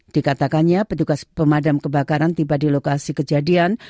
dikatakannya petugas pemadam kebakaran tiba di lokasi kejadian